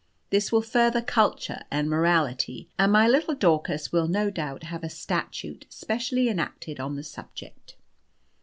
This will further culture and morality, and my little Daucus will no doubt have a statute specially enacted on the subject."